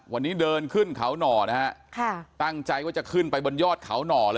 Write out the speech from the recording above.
วันนี้เดินขึ้นเขาหน่อนะฮะค่ะตั้งใจว่าจะขึ้นไปบนยอดเขาหน่อเลย